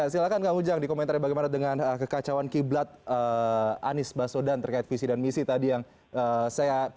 selamat malam mas